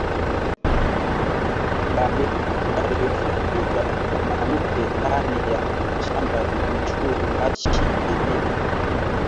Barifukusha banamuke ndani ya mashamba njuu bashi rime